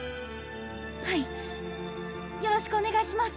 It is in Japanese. はいよろしくおねがいします！